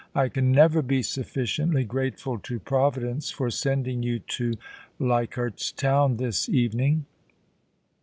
I can never be sufficiently grateful to Providence for sending you to Leich ardfs Town this evening.'